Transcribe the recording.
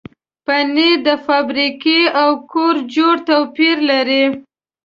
پنېر د فابریکې او کور جوړ توپیر لري.